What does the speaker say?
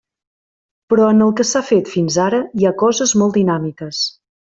Però en el que s'ha fet fins ara, hi ha coses molt dinàmiques.